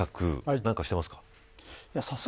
何かしてますか。